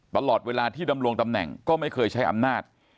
ตลอดเวลาที่ดำรงตำแหน่งก็ไม่เคยใช้อำนาจ